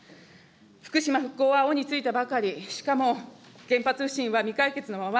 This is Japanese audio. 福島復興はおについたばかり、しかも原発不信は未解決のまま。